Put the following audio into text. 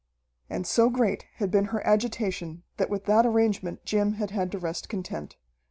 And so great had been her agitation that with that arrangement Jim had had to rest content.